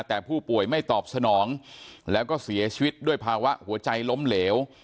แต่ผู้ป่วยไม่ตอบสนองแล้วก็เสียชีวิตด้วยภาวะหัวใจล้มเหลว